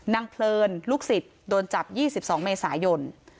เพลินลูกศิษย์โดนจับ๒๒เมษายน